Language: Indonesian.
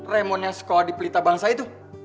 raymond yang sekolah di pelita bangsa itu